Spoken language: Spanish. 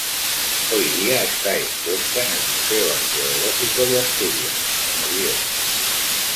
Hoy día está expuesta en el Museo Arqueológico de Asturias, en Oviedo.